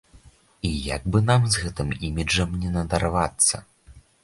І як бы нам з гэтым іміджам не надарвацца.